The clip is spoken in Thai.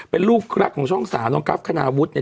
เป็นลูกรักของช่องสาน้องกรัฟขนาวุฒิ